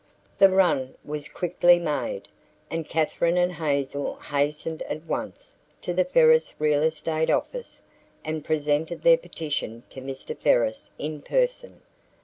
The run was quickly made, and Katherine and Hazel hastened at once to the Ferris real estate office and presented their petition to Mr. Ferris in person.